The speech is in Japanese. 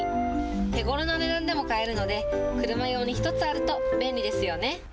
手ごろな値段でも買えるので、車用に１つあると便利ですよね。